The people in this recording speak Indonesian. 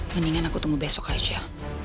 mendingan aku tunggu besok aja